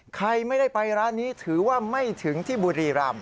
ใครไม่ได้ไปร้านนี้ถือว่าไม่ถึงที่บุรีรำ